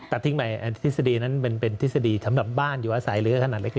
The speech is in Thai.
ทิ้งใหม่ทฤษฎีนั้นเป็นทฤษฎีสำหรับบ้านอยู่อาศัยหรือขนาดเล็ก